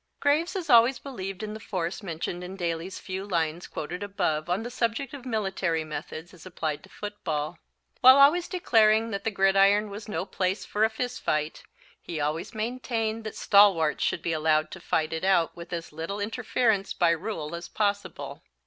Graves has always believed in the force mentioned in Daly's few lines quoted above on the subject of military methods as applied to football. While always declaring that the gridiron was no place for a fist fight, he always maintained that stalwarts should be allowed to fight it out with as little interference by rule as possible.